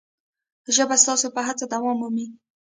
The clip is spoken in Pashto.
ژبه ستاسو په هڅه دوام مومي.